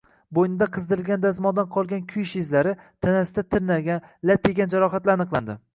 Bo`ynida qizdirilgan dazmoldan qolgan kuyish izlari, tanasida tirnalgan, lat egan jarohatlar aniqlandi